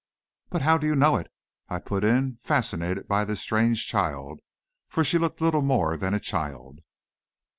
"But how do you know it?" I put in, fascinated by this strange child, for she looked little more than a child.